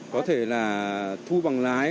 có thể là thu bằng lái